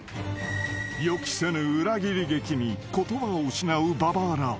［予期せぬ裏切り劇に言葉を失う馬場アナ］